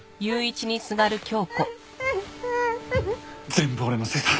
全部俺のせいだ。